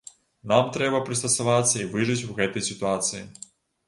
Нам трэба прыстасавацца і выжыць у гэтай сітуацыі.